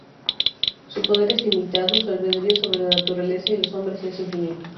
Su poder es ilimitado, su albedrío sobre la naturaleza y los hombres es infinito.